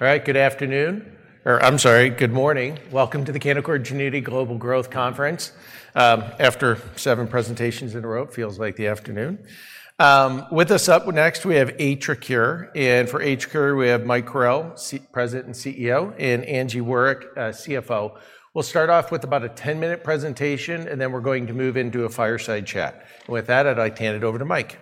All right, good afternoon, or I'm sorry, good morning. Welcome to the Canaccord Genuity Global Growth Conference. After seven presentations in a row, it feels like the afternoon. With us up next, we have AtriCure, and for AtriCure, we have Mike Carrel, President and CEO, and Angela Wirick, CFO. We'll start off with about a 10-minute presentation, and then we're going to move into a fireside chat. With that, I'd like to hand it over to Mike.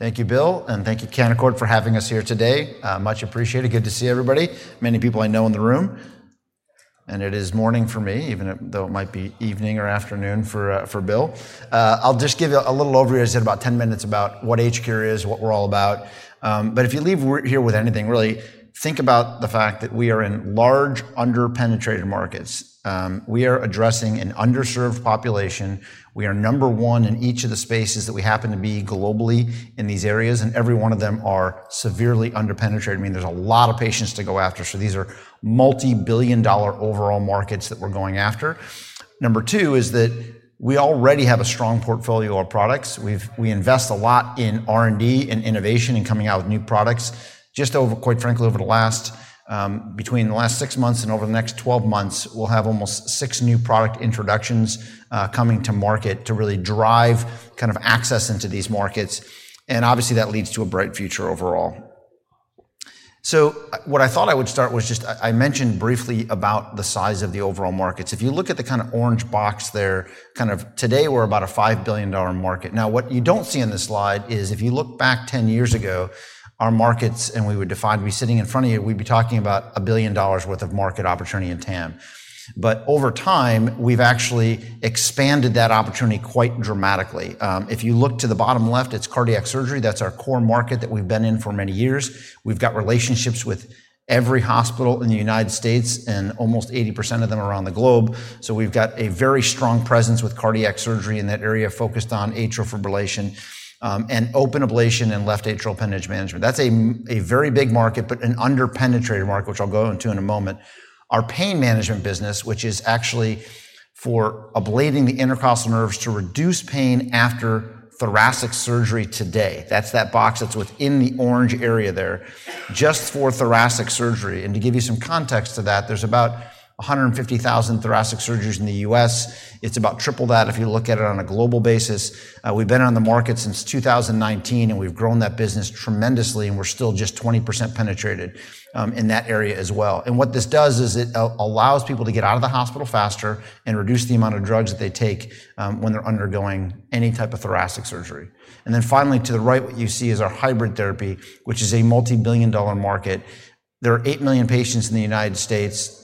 Thank you, Bill, and thank you, Canaccord, for having us here today. Much appreciated. Good to see everybody. Many people I know in the room, and it is morning for me, even though it might be evening or afternoon for Bill. I'll just give you a little overview, as I said, about 10 minutes about what AtriCure is, what we're all about. But if you leave here with anything, really think about the fact that we are in large, under-penetrated markets. We are addressing an underserved population. We are number one in each of the spaces that we happen to be globally in these areas, and every one of them are severely under-penetrated. I mean, there's a lot of patients to go after, so these are multi-billion dollar overall markets that we're going after. Number two is that we already have a strong portfolio of products. We invest a lot in R&D and innovation and coming out with new products. Just over, quite frankly, over the last, between the last 6 months and over the next 12 months, we'll have almost 6 new product introductions, coming to market to really drive kind of access into these markets, and obviously, that leads to a bright future overall. So what I thought I would start was just... I mentioned briefly about the size of the overall markets. If you look at the kind of orange box there, kind of today, we're about a $5 billion market. Now, what you don't see in this slide is if you look back 10 years ago, our markets, and we were defined, we'd be sitting in front of you, we'd be talking about $1 billion worth of market opportunity in TAM. But over time, we've actually expanded that opportunity quite dramatically. If you look to the bottom left, it's cardiac surgery. That's our core market that we've been in for many years. We've got relationships with every hospital in the United States and almost 80% of them around the globe. So we've got a very strong presence with cardiac surgery in that area, focused on atrial fibrillation, and open ablation and left atrial appendage management. That's a very big market, but an under-penetrated market, which I'll go into in a moment. Our pain management business, which is actually for ablating the intercostal nerves to reduce pain after thoracic surgery today. That's that box that's within the orange area there, just for thoracic surgery. To give you some context to that, there's about 150,000 thoracic surgeries in the U.S. It's about triple that if you look at it on a global basis. We've been on the market since 2019, and we've grown that business tremendously, and we're still just 20% penetrated in that area as well. And what this does is it allows people to get out of the hospital faster and reduce the amount of drugs that they take when they're undergoing any type of thoracic surgery. Then finally, to the right, what you see is our hybrid therapy, which is a multi-billion-dollar market. There are 8 million patients in the United States,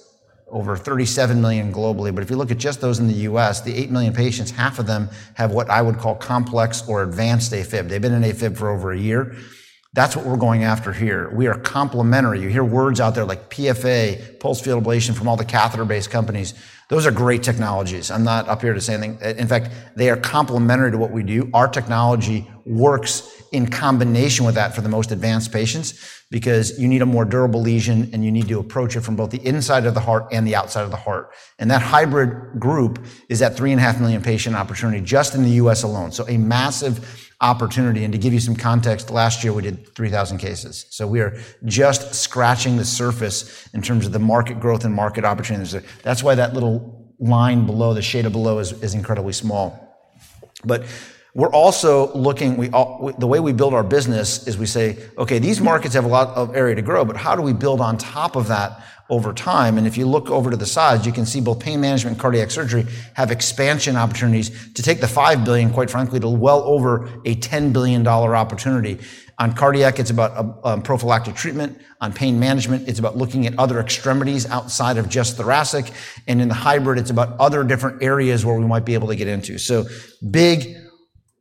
over 37 million globally, but if you look at just those in the U.S., the 8 million patients, half of them have what I would call complex or advanced AFib. They've been in AFib for over a year. That's what we're going after here. We are complementary. You hear words out there like PFA, pulsed field ablation, from all the catheter-based companies. Those are great technologies. I'm not up here to say anything... In fact, they are complementary to what we do. Our technology works in combination with that for the most advanced patients, because you need a more durable lesion, and you need to approach it from both the inside of the heart and the outside of the heart. And that hybrid group is that 3.5 million patient opportunity just in the U.S. alone. So a massive opportunity, and to give you some context, last year we did 3,000 cases. So we are just scratching the surface in terms of the market growth and market opportunities. That's why that little line below, the shade of blue is incredibly small. But we're also looking, the way we build our business is we say, "Okay, these markets have a lot of area to grow, but how do we build on top of that over time?" And if you look over to the sides, you can see both pain management and cardiac surgery have expansion opportunities to take the $5 billion, quite frankly, to well over a $10 billion-dollar opportunity. On cardiac, it's about a prophylactic treatment. On pain management, it's about looking at other extremities outside of just thoracic, and in the hybrid, it's about other different areas where we might be able to get into. So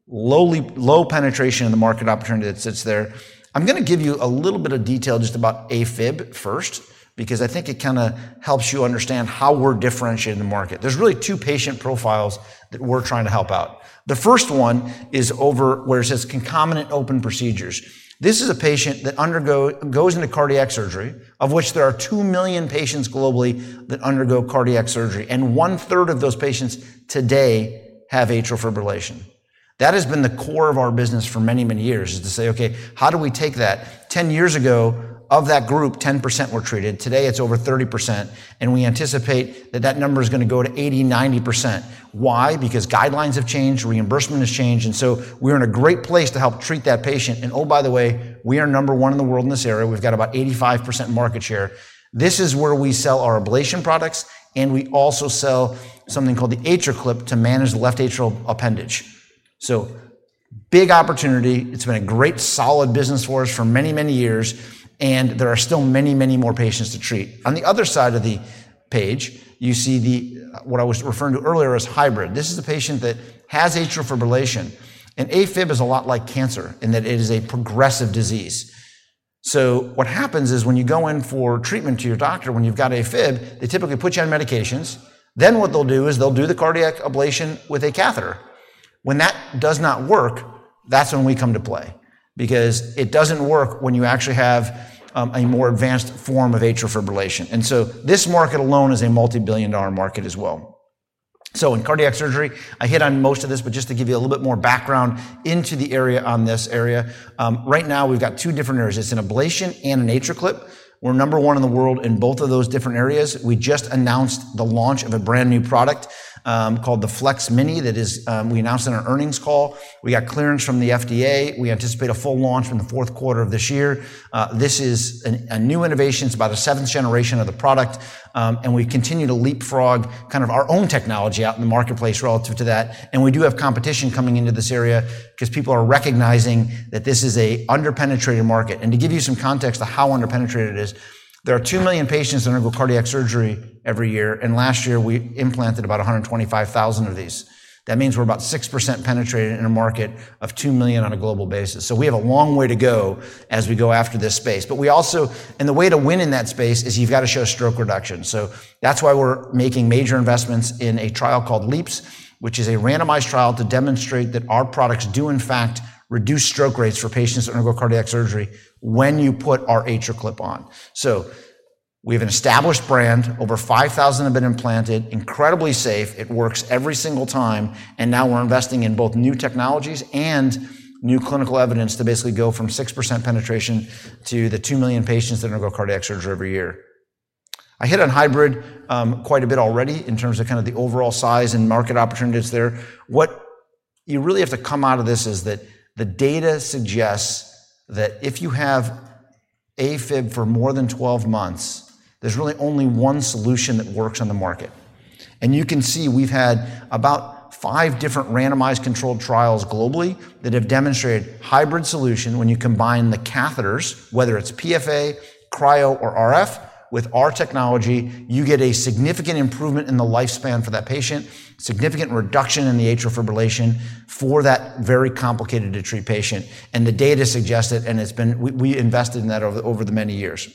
big, low penetration in the market opportunity that sits there. I'm going to give you a little bit of detail just about AFib first, because I think it kind of helps you understand how we're differentiating the market. There's really two patient profiles that we're trying to help out. The first one is over where it says concomitant open procedures. This is a patient that undergoes into cardiac surgery, of which there are 2 million patients globally that undergo cardiac surgery, and one-third of those patients today have atrial fibrillation. That has been the core of our business for many, many years, is to say, "Okay, how do we take that?" 10 years ago, of that group, 10% were treated. Today, it's over 30%, and we anticipate that that number is going to go to 80%-90%. Why? Because guidelines have changed, reimbursement has changed, and so we're in a great place to help treat that patient. And oh, by the way, we are number one in the world in this area. We've got about 85% market share. This is where we sell our ablation products, and we also sell something called the AtriClip to manage the left atrial appendage. So big opportunity, it's been a great, solid business for us for many, many years, and there are still many, many more patients to treat. On the other side of the page, you see the, what I was referring to earlier as hybrid. This is a patient that has atrial fibrillation, and AFib is a lot like cancer in that it is a progressive disease. So what happens is when you go in for treatment to your doctor, when you've got AFib, they typically put you on medications. Then what they'll do is they'll do the cardiac ablation with a catheter. When that does not work, that's when we come to play... because it doesn't work when you actually have a more advanced form of atrial fibrillation. And so this market alone is a multi-billion dollar market as well. So in cardiac surgery, I hit on most of this, but just to give you a little bit more background into the area, on this area, right now we've got two different areas. It's an ablation and an AtriClip. We're number one in the world in both of those different areas. We just announced the launch of a brand-new product called the FLEX Mini we announced in our earnings call. We got clearance from the FDA. We anticipate a full launch in the fourth quarter of this year. This is a new innovation. It's about the seventh generation of the product, and we continue to leapfrog kind of our own technology out in the marketplace relative to that. And we do have competition coming into this area, 'cause people are recognizing that this is a under-penetrated market. And to give you some context to how under-penetrated it is, there are 2 million patients that undergo cardiac surgery every year, and last year we implanted about 125,000 of these. That means we're about 6% penetrated in a market of 2 million on a global basis. So we have a long way to go as we go after this space. But we also and the way to win in that space is you've got to show stroke reduction. So that's why we're making major investments in a trial called LeAAPS, which is a randomized trial to demonstrate that our products do in fact reduce stroke rates for patients that undergo cardiac surgery when you put our AtriClip on. So we have an established brand. Over 5,000 have been implanted, incredibly safe. It works every single time, and now we're investing in both new technologies and new clinical evidence to basically go from 6% penetration to the 2 million patients that undergo cardiac surgery every year. I hit on hybrid quite a bit already in terms of kind of the overall size and market opportunities there. What you really have to come out of this is that the data suggests that if you have AFib for more than 12 months, there's really only one solution that works on the market. And you can see we've had about 5 different randomized controlled trials globally that have demonstrated hybrid solution when you combine the catheters, whether it's PFA, cryo, or RF. With our technology, you get a significant improvement in the lifespan for that patient, significant reduction in the atrial fibrillation for that very complicated to treat patient. And the data suggests it, and it's been... We invested in that over the many years.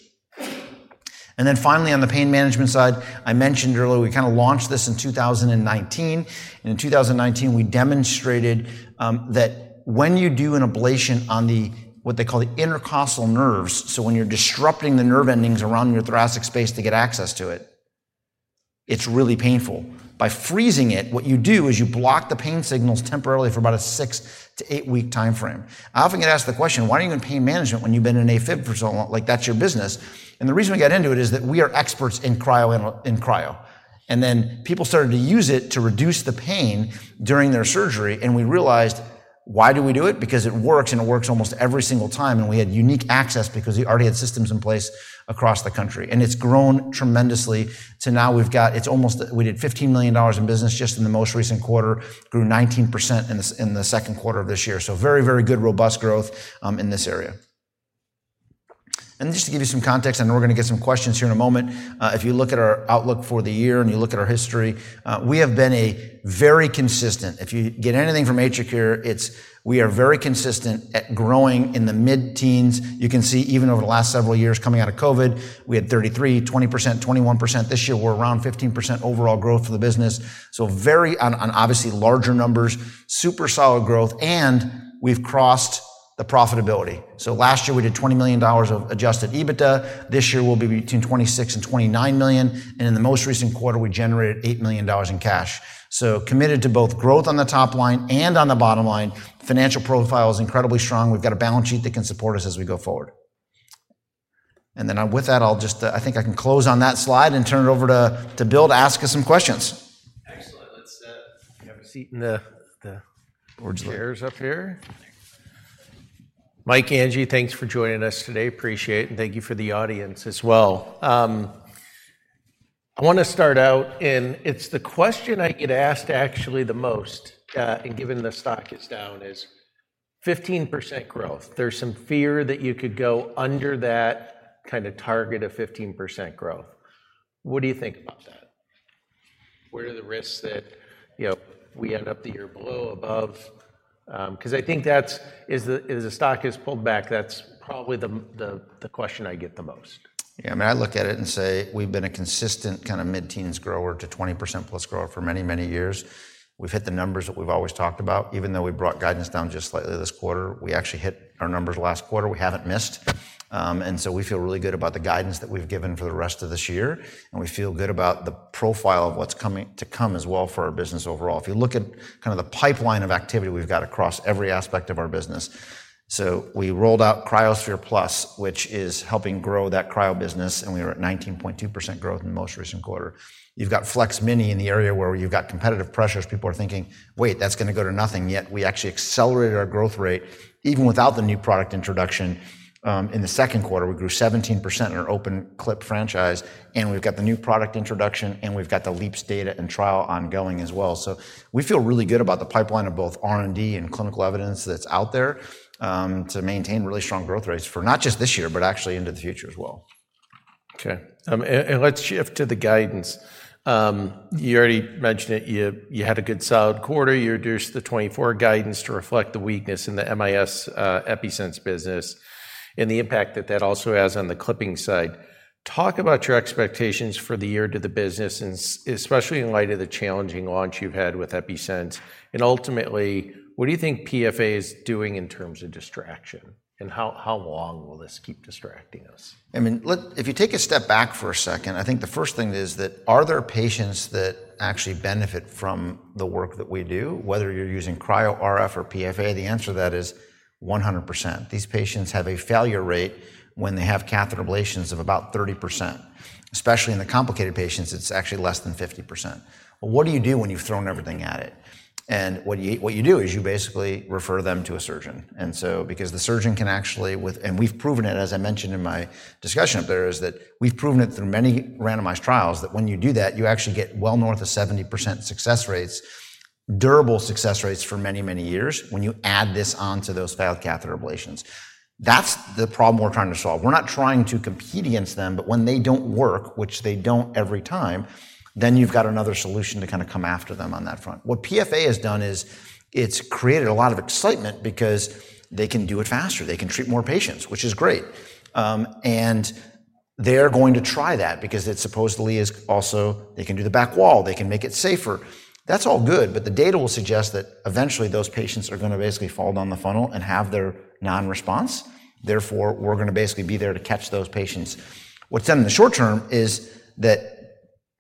Then finally, on the pain management side, I mentioned earlier, we kind of launched this in 2019, and in 2019 we demonstrated that when you do an ablation on the, what they call the intercostal nerves, so when you're disrupting the nerve endings around your thoracic space to get access to it, it's really painful. By freezing it, what you do is you block the pain signals temporarily for about a 6-8-week timeframe. I often get asked the question: "Why are you in pain management when you've been in AFib for so long? Like, that's your business." And the reason we got into it is that we are experts in cryo. And then people started to use it to reduce the pain during their surgery, and we realized, why do we do it? Because it works, and it works almost every single time, and we had unique access because we already had systems in place across the country. It's grown tremendously to now we've got. We did $15 million in business just in the most recent quarter. Grew 19% in the second quarter of this year. Very, very good robust growth in this area. Just to give you some context, I know we're going to get some questions here in a moment. If you look at our outlook for the year and you look at our history, we have been a very consistent. If you get anything from AtriCure, it's we are very consistent at growing in the mid-teens. You can see even over the last several years coming out of COVID, we had 33%, 20%, 21%. This year, we're around 15% overall growth for the business. So very on, obviously larger numbers, super solid growth, and we've crossed the profitability. So last year, we did $20 million of adjusted EBITDA. This year will be between $26 million and $29 million, and in the most recent quarter, we generated $8 million in cash. So committed to both growth on the top line and on the bottom line. Financial profile is incredibly strong. We've got a balance sheet that can support us as we go forward. And then, with that, I'll just, I think I can close on that slide and turn it over to Bill to ask us some questions. Excellent. Let's have a seat in the board's chairs up here. Mike, Angie, thanks for joining us today. Appreciate it, and thank you for the audience as well. I want to start out, and it's the question I get asked actually the most, and given the stock is down, is 15% growth. There's some fear that you could go under that kind of target of 15% growth. What do you think about that? What are the risks that, you know, we end up the year below, above? 'Cause I think that's, as the stock has pulled back, that's probably the question I get the most. Yeah, I mean, I look at it and say we've been a consistent kind of mid-teens grower to 20%+ grower for many, many years. We've hit the numbers that we've always talked about. Even though we brought guidance down just slightly this quarter, we actually hit our numbers last quarter. We haven't missed. And so we feel really good about the guidance that we've given for the rest of this year, and we feel good about the profile of what's coming, to come as well for our business overall. If you look at kind of the pipeline of activity we've got across every aspect of our business, so we rolled out cryoSPHERE+, which is helping grow that cryo business, and we were at 19.2% growth in the most recent quarter. You've got FLEX Mini in the area where you've got competitive pressures. People are thinking, "Wait, that's going to go to nothing." Yet we actually accelerated our growth rate. Even without the new product introduction, in the second quarter, we grew 17% in our open clip franchise, and we've got the new product introduction, and we've got the LeAAPS data and trial ongoing as well. So we feel really good about the pipeline of both R&D and clinical evidence that's out there, to maintain really strong growth rates for not just this year, but actually into the future as well. Okay, and let's shift to the guidance. You already mentioned it. You had a good, solid quarter. You reduced the 2024 guidance to reflect the weakness in the MIS, EPi-Sense business and the impact that that also has on the clipping side. Talk about your expectations for the year to the business and especially in light of the challenging launch you've had with EPi-Sense. And ultimately, what do you think PFA is doing in terms of distraction, and how long will this keep distracting us? I mean, look, if you take a step back for a second, I think the first thing is that are there patients that actually benefit from the work that we do, whether you're using cryo, RF, or PFA? The answer to that is 100%. These patients have a failure rate when they have catheter ablations of about 30%. Especially in the complicated patients, it's actually less than 50%. Well, what do you do when you've thrown everything at it? And what you do is you basically refer them to a surgeon. And so because the surgeon can actually with... And we've proven it, as I mentioned in my discussion up there, is that we've proven it through many randomized trials, that when you do that, you actually get well north of 70% success rates, durable success rates for many, many years when you add this onto those failed catheter ablations. That's the problem we're trying to solve. We're not trying to compete against them, but when they don't work, which they don't every time, then you've got another solution to kind of come after them on that front. What PFA has done is it's created a lot of excitement because they can do it faster. They can treat more patients, which is great. And they're going to try that because it supposedly is also. They can do the back wall, they can make it safer. That's all good, but the data will suggest that eventually those patients are going to basically fall down the funnel and have their non-response. Therefore, we're going to basically be there to catch those patients. What's done in the short term is that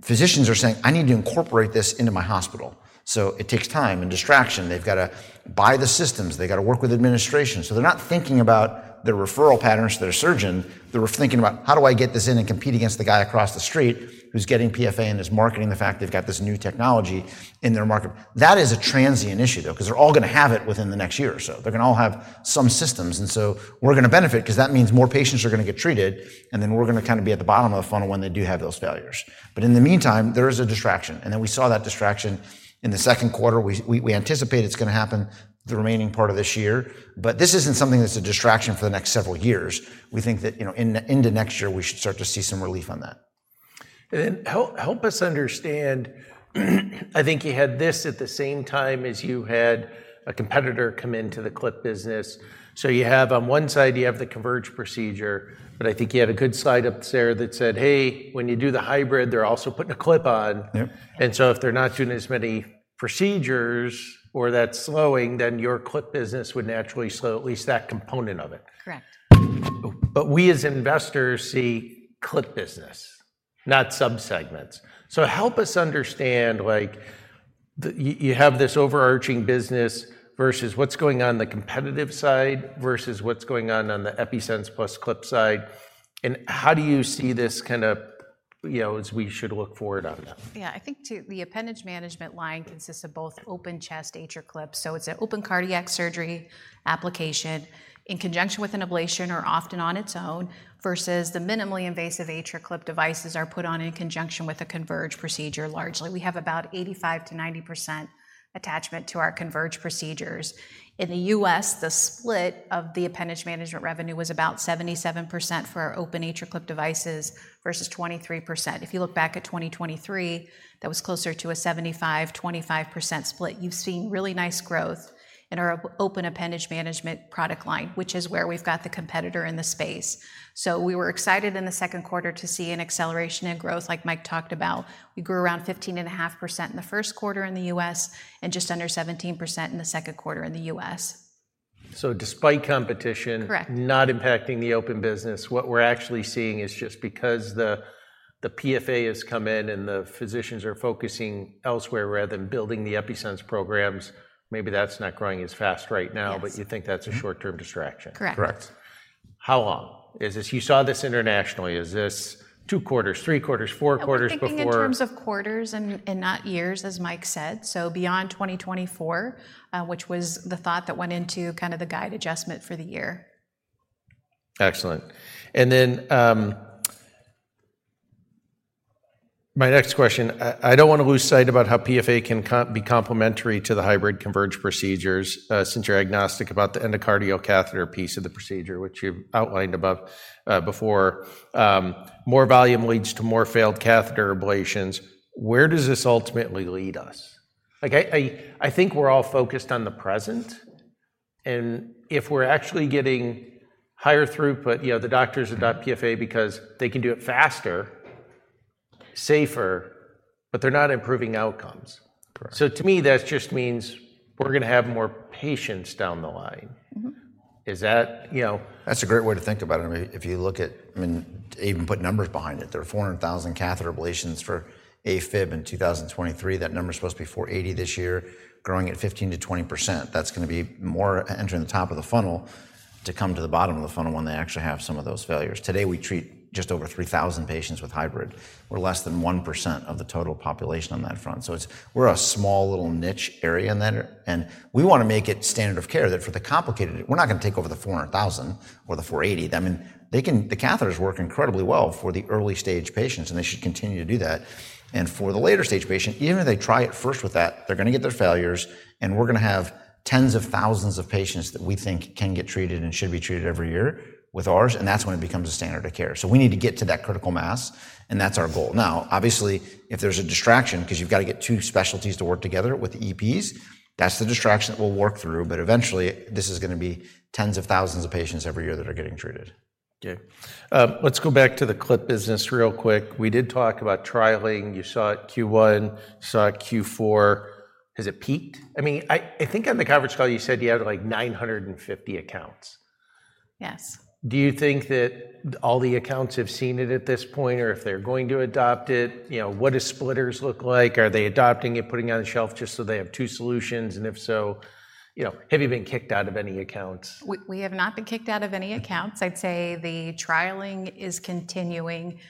physicians are saying, "I need to incorporate this into my hospital." So it takes time and distraction. They've got to buy the systems. They've got to work with administration. So they're not thinking about the referral patterns to their surgeon. They're thinking about: How do I get this in and compete against the guy across the street who's getting PFA and is marketing the fact they've got this new technology in their market? That is a transient issue, though, 'cause they're all going to have it within the next year or so. They're gonna all have some systems, and so we're gonna benefit 'cause that means more patients are gonna get treated, and then we're gonna kind of be at the bottom of the funnel when they do have those failures. But in the meantime, there is a distraction, and then we saw that distraction in the second quarter. We anticipate it's gonna happen the remaining part of this year. But this isn't something that's a distraction for the next several years. We think that, you know, in into next year, we should start to see some relief on that. Then help us understand. I think you had this at the same time as you had a competitor come into the clip business. So you have, on one side, you have the Convergent procedure, but I think you had a good slide up there that said, "Hey, when you do the hybrid, they're also putting a clip on. And so if they're not doing as many procedures or that's slowing, then your clip business would naturally slow, at least that component of it. Correct. But we, as investors, see clip business, not subsegments. So help us understand, like, you, you have this overarching business versus what's going on in the competitive side, versus what's going on on the EPi-Sense plus clip side, and how do you see this kind of, you know, as we should look forward on that? Yeah. I think, too, the appendage management line consists of both open chest AtriClips, so it's an open cardiac surgery application in conjunction with an ablation or often on its own, versus the minimally invasive AtriClip devices are put on in conjunction with a Convergent procedure, largely. We have about 85%-90% attachment to our Convergent procedures. In the U.S., the split of the appendage management revenue was about 77% for our open AtriClip devices versus 23%. If you look back at 2023, that was closer to a 75/25% split. You've seen really nice growth in our open appendage management product line, which is where we've got the competitor in the space. So we were excited in the second quarter to see an acceleration in growth, like Mike talked about. We grew around 15.5% in the first quarter in the U.S., and just under 17% in the second quarter in the U.S. Despite competition- Correct. Not impacting the open business, what we're actually seeing is just because the PFA has come in, and the physicians are focusing elsewhere rather than building the EPi-Sense programs. Maybe that's not growing as fast right now- Yes. But you think that's a short-term distraction? Correct. Correct. How long is this? You saw this internationally. Is this 2 quarters, 3 quarters, 4 quarters before? I was thinking in terms of quarters and not years, as Mike said. So beyond 2024, which was the thought that went into kind of the guide adjustment for the year. Excellent. And then, my next question: I don't want to lose sight about how PFA can be complementary to the hybrid Convergent procedures, since you're agnostic about the endocardial catheter piece of the procedure, which you've outlined above, before. More volume leads to more failed catheter ablations. Where does this ultimately lead us? Like, I think we're all focused on the present, and if we're actually getting higher throughput, you know, the doctors adopt PFA because they can do it faster, safer, but they're not improving outcomes. So to me, that just means we're gonna have more patients down the line. Is that, you know? That's a great way to think about it. I mean, if you look at... I mean, even put numbers behind it, there are 400,000 catheter ablations for AFib in 2023. That number is supposed to be 480 this year, growing at 15%-20%. That's gonna be more entering the top of the funnel to come to the bottom of the funnel when they actually have some of those failures. Today, we treat just over 3,000 patients with Hybrid. We're less than 1% of the total population on that front. So it's. We're a small, little niche area in that, and we want to make it standard of care that for the complicated, we're not gonna take over the 400,000 or the 480. I mean, the catheters work incredibly well for the early-stage patients, and they should continue to do that. For the later-stage patient, even if they try it first with that, they're gonna get their failures, and we're gonna have tens of thousands of patients that we think can get treated and should be treated every year with ours, and that's when it becomes a standard of care. We need to get to that critical mass, and that's our goal. Now, obviously, if there's a distraction, 'cause you've got to get two specialties to work together with EPs, that's the distraction that we'll work through, but eventually, this is gonna be tens of thousands of patients every year that are getting treated. Okay. Let's go back to the clip business real quick. We did talk about trialing. You saw it Q1, you saw it Q4. Has it peaked? I mean, I think on the coverage call, you said you had, like, 950 accounts.... Yes. Do you think that all the accounts have seen it at this point, or if they're going to adopt it? You know, what does Splitters look like? Are they adopting it, putting it on the shelf just so they have two solutions? And if so, you know, have you been kicked out of any accounts? We have not been kicked out of any accounts. I'd say the trialing is continuing.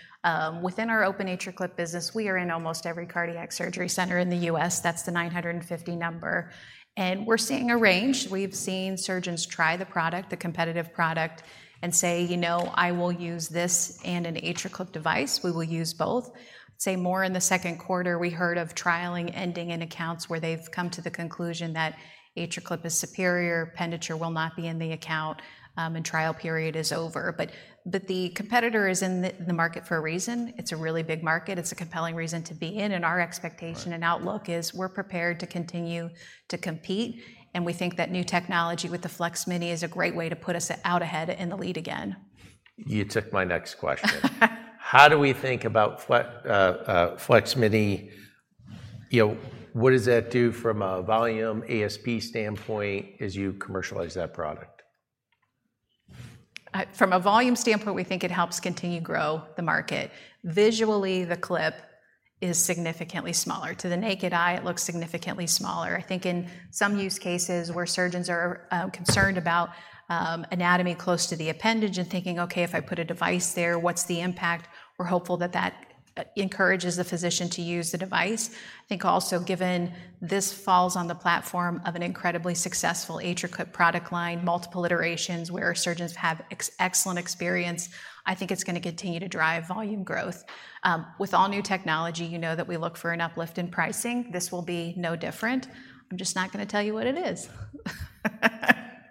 Within our open AtriClip business, we are in almost every cardiac surgery center in the U.S. That's the 950 number, and we're seeing a range. We've seen surgeons try the product, the competitive product, and say, "You know, I will use this and an AtriClip device. We will use both." I'd say more in the second quarter, we heard of trialing ending in accounts where they've come to the conclusion that AtriClip is superior, Penditure will not be in the account, and trial period is over. But the competitor is in the market for a reason. It's a really big market. It's a compelling reason to be in, and our expectation-... and outlook is we're prepared to continue to compete, and we think that new technology with the FLEX Mini is a great way to put us out ahead in the lead again. You took my next question. How do we think about FLEX Mini? You know, what does that do from a volume ASP standpoint as you commercialize that product? From a volume standpoint, we think it helps continue to grow the market. Visually, the clip is significantly smaller. To the naked eye, it looks significantly smaller. I think in some use cases where surgeons are concerned about anatomy close to the appendage and thinking, "Okay, if I put a device there, what's the impact?" We're hopeful that that encourages the physician to use the device. I think also given this falls on the platform of an incredibly successful AtriClip product line, multiple iterations where our surgeons have excellent experience, I think it's gonna continue to drive volume growth. With all new technology, you know that we look for an uplift in pricing. This will be no different. I'm just not gonna tell you what it is.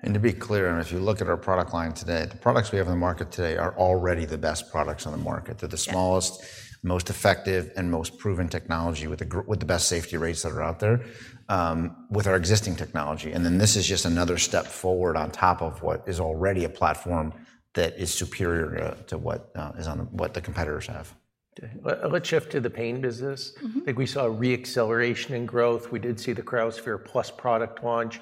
And to be clear, and if you look at our product line today, the products we have on the market today are already the best products on the market. Yeah. They're the smallest, most effective, and most proven technology with the best safety rates that are out there, with our existing technology, and then this is just another step forward on top of what is already a platform that is superior to what is on what the competitors have. Okay. Let's shift to the pain business. I think we saw a re-acceleration in growth. We did see the cryoSPHERE+ product launch.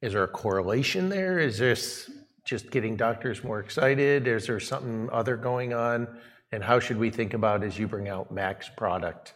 Is there a correlation there? Is this just getting doctors more excited, or is there something other going on? And how should we think about as you bring out cryoSPHERE MAX product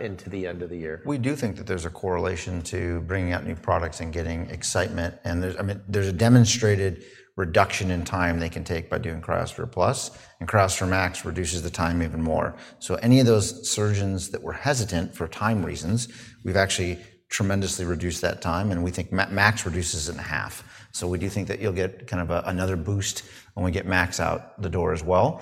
into the end of the year? We do think that there's a correlation to bringing out new products and getting excitement, and, I mean, there's a demonstrated reduction in time they can take by doing cryoSPHERE+, and cryoSPHERE MAX reduces the time even more. So any of those surgeons that were hesitant for time reasons, we've actually tremendously reduced that time, and we think MAX reduces it in half. So we do think that you'll get kind of a another boost when we get MAX out the door as well.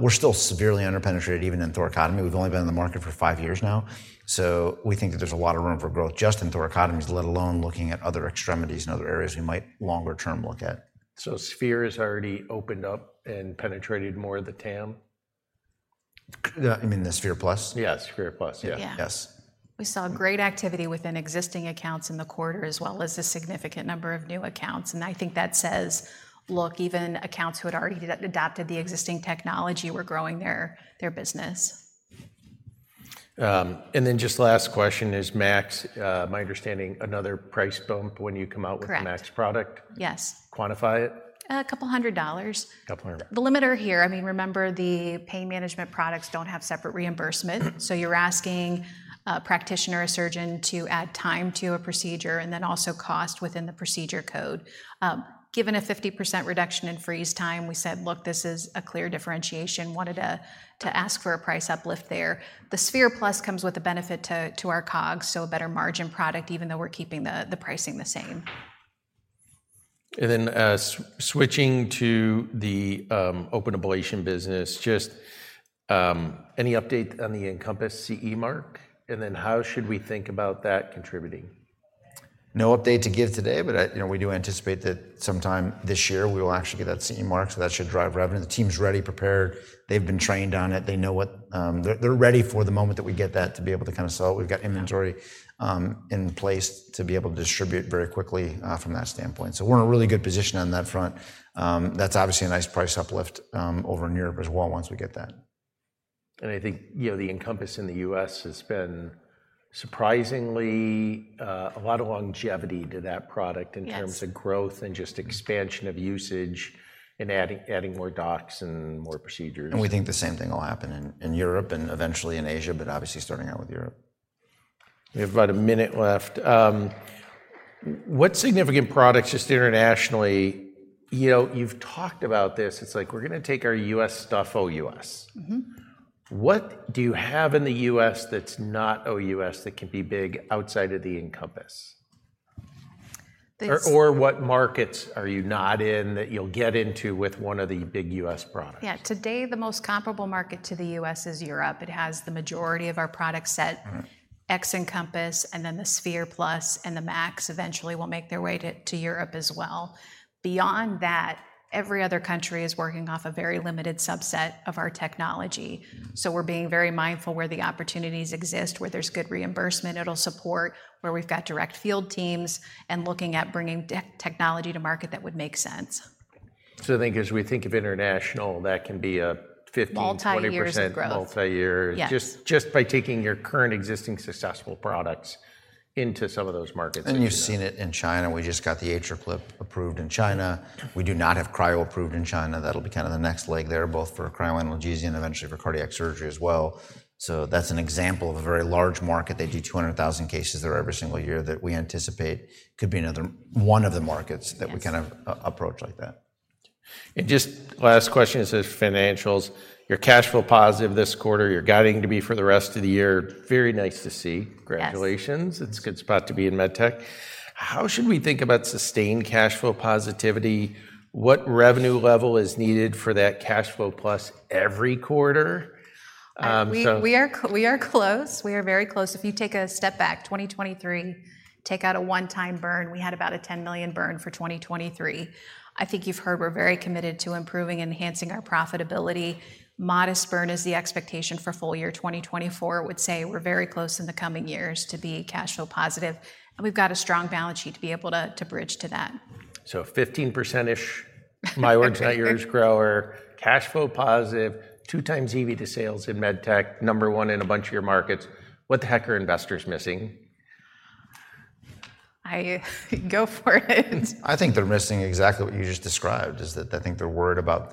We're still severely underpenetrated, even in thoracotomy. We've only been in the market for five years now. So we think that there's a lot of room for growth just in thoracotomies, let alone looking at other extremities and other areas we might longer term look at. Sphere has already opened up and penetrated more of the TAM? You mean the Sphere Plus? Yeah, Sphere Plus, yeah. Yeah. Yes. We saw great activity within existing accounts in the quarter, as well as a significant number of new accounts, and I think that says, look, even accounts who had already adapted the existing technology were growing their business. And then just last question is, MAX, my understanding, another price bump when you come out- Correct... with the MAX product? Yes. Quantify it. $200. A couple hundred. The limiter here, I mean, remember, the pain management products don't have separate reimbursement. So you're asking a practitioner or a surgeon to add time to a procedure, and then also cost within the procedure code. Given a 50% reduction in freeze time, we said, "Look, this is a clear differentiation," wanted to ask for a price uplift there. The cryoSPHERE+ comes with a benefit to our COGS, so a better margin product, even though we're keeping the pricing the same. And then, switching to the open ablation business, just any update on the Encompass CE mark? And then, how should we think about that contributing? No update to give today, but I, you know, we do anticipate that sometime this year we will actually get that CE mark, so that should drive revenue. The team's ready, prepared, they've been trained on it. They know what, They're ready for the moment that we get that to be able to kind of sell it. We've got inventory in place to be able to distribute very quickly from that standpoint. So we're in a really good position on that front. That's obviously a nice price uplift over in Europe as well once we get that. I think, you know, the Encompass in the U.S. has been surprisingly a lot of longevity to that product- Yes... in terms of growth and just expansion of usage and adding more docs and more procedures. We think the same thing will happen in Europe and eventually in Asia, but obviously starting out with Europe. We have about a minute left. What significant products, just internationally? You know, you've talked about this. It's like we're gonna take our U.S. stuff OUS. What do you have in the U.S. that's not OUS, that can be big outside of the Encompass? The- Or, what markets are you not in that you'll get into with one of the big U.S. products? Yeah. Today, the most comparable market to the U.S. is Europe. It has the majority of our product set-... ex Encompass, and then the Sphere Plus and the MAX eventually will make their way to Europe as well. Beyond that, every other country is working off a very limited subset of our technology. So we're being very mindful where the opportunities exist, where there's good reimbursement it'll support, where we've got direct field teams, and looking at bringing technology to market that would make sense.... So I think as we think of international, that can be a 15%-20%- Multi-years of growth. Multi-years. Yeah. Just by taking your current existing successful products into some of those markets- You've seen it in China. We just got the AtriClip approved in China. We do not have cryo approved in China. That'll be kind of the next leg there, both for cryoanalgesia and eventually for cardiac surgery as well. That's an example of a very large market. They do 200,000 cases there every single year that we anticipate could be another one of the markets- Yes - that we kind of approach like that. Just last question is the financials. You're cash flow positive this quarter. You're guiding to be for the rest of the year. Very nice to see. Yes. Congratulations. It's a good spot to be in med tech. How should we think about sustained cash flow positivity? What revenue level is needed for that cash flow plus every quarter? We are close. We are very close. If you take a step back, 2023, take out a one-time burn, we had about a $10 million burn for 2023. I think you've heard we're very committed to improving and enhancing our profitability. Modest burn is the expectation for full year 2024. I would say we're very close in the coming years to be cash flow positive, and we've got a strong balance sheet to be able to bridge to that. So 15%-ish—my words, not yours—grower, cash flow positive, 2x EV to sales in med tech, number one in a bunch of your markets. What the heck are investors missing? I go for it. I think they're missing exactly what you just described, is that I think they're worried about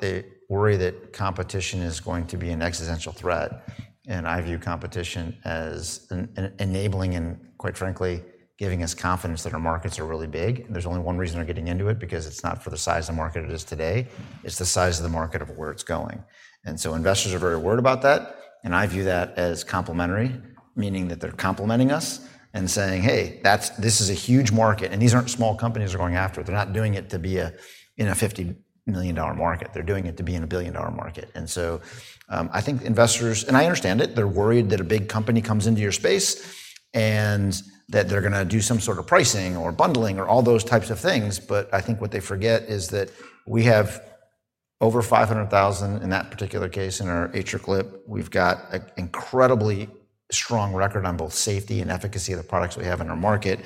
they worry that competition is going to be an existential threat, and I view competition as enabling and, quite frankly, giving us confidence that our markets are really big. There's only one reason they're getting into it, because it's not for the size of the market it is today; it's the size of the market of where it's going. And so investors are very worried about that, and I view that as complimentary, meaning that they're complimenting us and saying, "Hey, that's this is a huge market," and these aren't small companies they're going after it. They're not doing it to be a, in a $50 million market. They're doing it to be in a billion-dollar market. And so, I think investors... And I understand it. They're worried that a big company comes into your space and that they're gonna do some sort of pricing or bundling or all those types of things, but I think what they forget is that we have over 500,000, in that particular case, in our AtriClip. We've got an incredibly strong record on both safety and efficacy of the products we have in our market.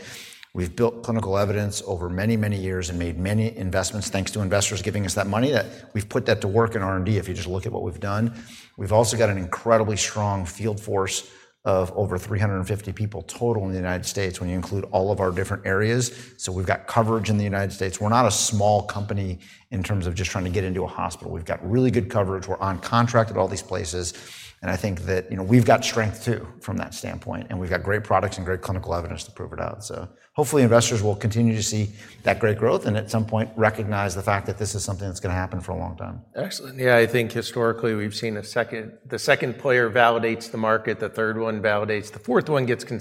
We've built clinical evidence over many, many years and made many investments thanks to investors giving us that money, that we've put that to work in R&D if you just look at what we've done. We've also got an incredibly strong field force of over 350 people total in the United States, when you include all of our different areas. So we've got coverage in the United States. We're not a small company in terms of just trying to get into a hospital. We've got really good coverage. We're on contract at all these places, and I think that, you know, we've got strength too, from that standpoint, and we've got great products and great clinical evidence to prove it out. So hopefully, investors will continue to see that great growth and at some point recognize the fact that this is something that's gonna happen for a long time. Excellent. Yeah, I think historically we've seen the second player validates the market, the third one validates, the fourth one gets kind of-